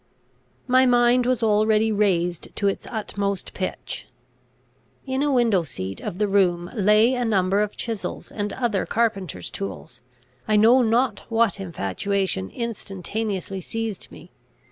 My mind was already raised to its utmost pitch. In a window seat of the room lay a number of chisels and other carpenter's tools. I know not what infatuation instantaneously seized me.